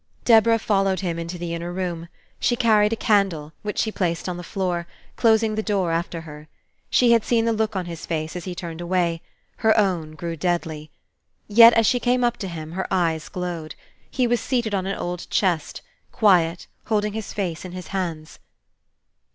Deborah followed him into the inner room. She carried a candle, which she placed on the floor, closing the door after her. She had seen the look on his face, as he turned away: her own grew deadly. Yet, as she came up to him, her eyes glowed. He was seated on an old chest, quiet, holding his face in his hands.